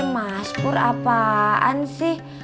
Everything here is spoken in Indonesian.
mas pur apaan sih